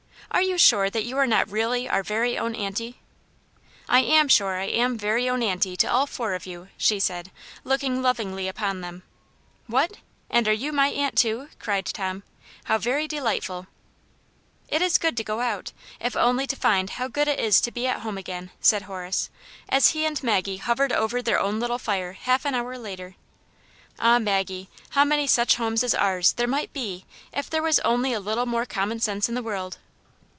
"Are you sure that you are not really our very own aunty?" " I am sure I am very own aunty to all four of you," she said, looking lovingly upon them. " What, and are you my aunt, too ?*' cried Tom. " How very delightful !"" It is good to go out, if only to find how good it IS to be at home again," said Horace, as he and Maggie hovered over their own little fire half an hour later. '* Ah, Maggie, how many such homes as ours there might be if there was only a little more com mon sense in the world."